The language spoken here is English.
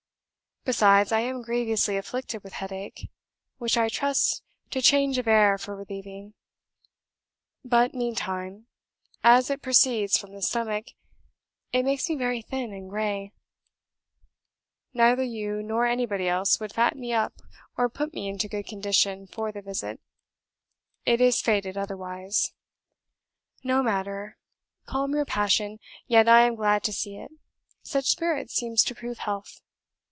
Besides, I am grievously afflicted with headache, which I trust to change of air for relieving; but meantime, as it proceeds from the stomach, it makes me very thin and grey; neither you nor anybody else would fatten me up or put me into good condition for the visit; it is fated otherwise. No matter. Calm your passion; yet I am glad to see it. Such spirit seems to prove health.